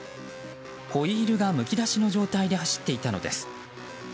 ホイールがむき出しの状態で走っていたのです。